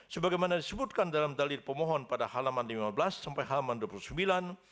sebagaimana disebutkan dalam dalil pemohon pada halaman lima belas sampai halaman dua puluh sembilan